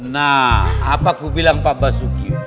nah apa kubilang pak basuki